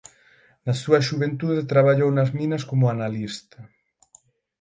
Na súa xuventude traballou nas minas como analista.